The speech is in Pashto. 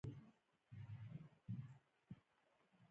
ما ور نارې کړل: یارانو دا ډبره بنده بولئ.